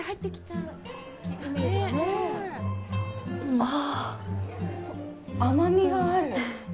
あぁ、甘みがある！